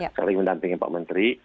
sekaligus mendampingi pak menteri